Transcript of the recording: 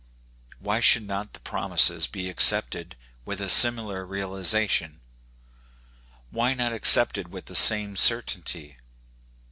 Why should not the promises be accepted with a similar realization ? Why not accepted with the same certainty?